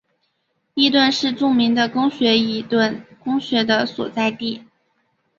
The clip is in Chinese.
伊顿是著名的公学伊顿公学的所在地。